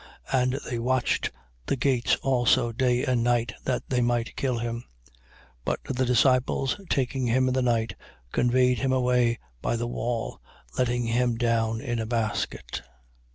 And they watched the gates also day and night, that they might kill him. 9:25. But the disciples, taking him in the night, conveyed him away by the wall, letting him down in a basket.